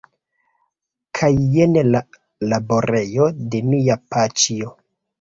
Kaj jen la laborejo de mia paĉjo.